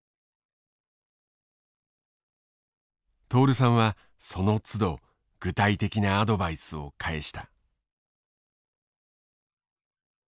徹さんはそのつど具体的なアドバイスを返した。